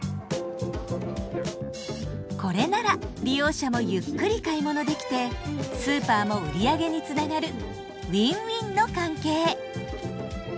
これなら利用者もゆっくり買い物できてスーパーも売り上げにつながるウィンウィンの関係。